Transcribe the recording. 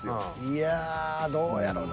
いやぁどうやろな。